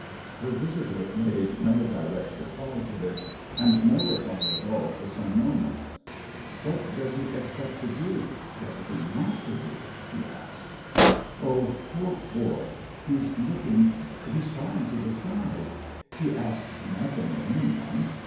Her visitor made no direct reply to this, and no reply at all for some moments. " What does he expect to do — what does he want to do ?" she asked. 22 THE WHEEL OF TIME " Oh, poor boy, he's looking — he's trying to decide. He asks nothing of any one.